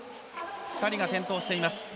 ２人が転倒しています。